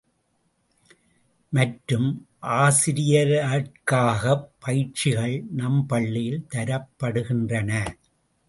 மற்றும், ஆசிரியர்க்காகப் பயிற்சிகள் நம் பள்ளியில் தரப்படுகின்றன.